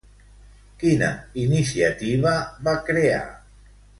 Quina iniciativa va crear?